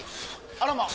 あらまぁ！